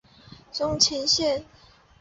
松前线。